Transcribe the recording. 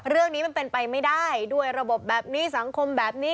เรื่องนี้มันเป็นไปไม่ได้ด้วยระบบแบบนี้สังคมแบบนี้